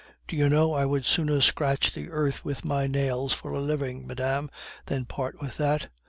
Do you know, I would sooner scratch the earth with my nails for a living, madame, than part with that.